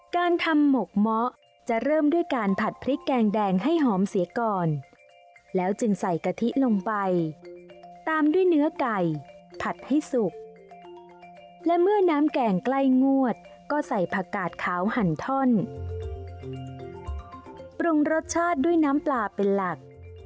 การทำหมกเมาะจะเริ่มด้วยการผัดพริกแกงแดงให้หอมเสียก่อนแล้วจึงใส่กะทิลงไปตามด้วยเนื้อไก่ผัดให้สุกและเมื่อน้ำแกงใกล้งวดก็ใส่ผักกาดขาวหั่นท่อนปรุงรสชาติด้วยน้ำปลาเป็นหลัก